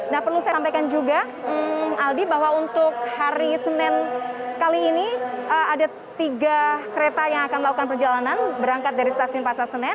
nah perlu saya sampaikan juga aldi bahwa untuk hari senin kali ini ada tiga kereta yang akan melakukan perjalanan berangkat dari stasiun pasar senen